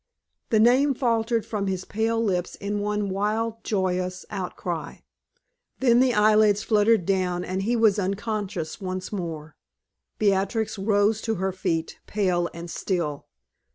The name faltered from his pale lips in one wild, joyous outcry; then the eyelids fluttered down and he was unconscious once more. Beatrix rose to her feet, pale and still.